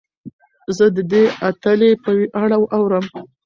زه د دې اتلې په اړه اورم.